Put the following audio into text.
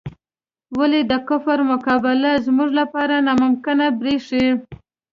ولې د کفر مقابله زموږ لپاره ناممکنه بریښي؟